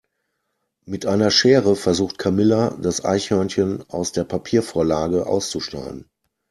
Mit einer Schere versucht Camilla das Eichhörnchen aus der Papiervorlage auszuschneiden.